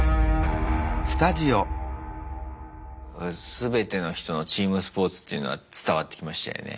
全ての人のチームスポーツっていうのは伝わってきましたよね。